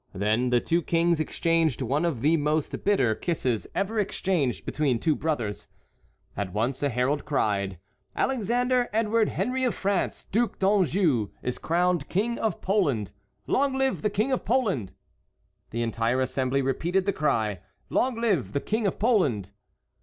Then the two kings exchanged one of the most bitter kisses ever exchanged between two brothers. At once a herald cried: "Alexander Edward Henry of France, Duc d'Anjou, is crowned King of Poland. Long live the King of Poland!" The entire assembly repeated the cry: "Long live the King of Poland!"